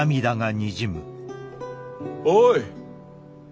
おい！